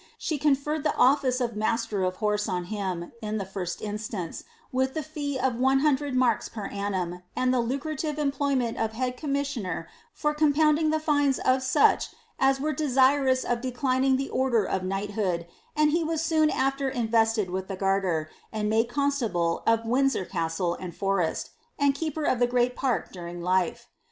She conferred die olfice of master of the horse on him, in tlis first instance, with the fee of 100 marks per annum, and the lucrative employment of head commissioner for compounding the fines of such as were desirous of declining the order of knighthood, and he was sooo after invested with the garter, and made constable of Windsor Castle and forest, and keeper of the great park during life.